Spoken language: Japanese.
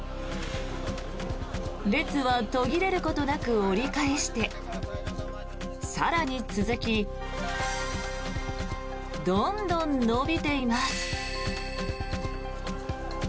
列は途切れることなく折り返して更に続きどんどん延びています。